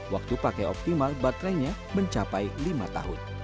waktu pakai optimal baterainya mencapai lima tahun